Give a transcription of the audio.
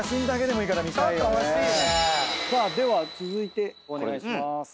では続いてお願いします。